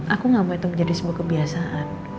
aku gak mau itu menjadi sebuah kebiasaan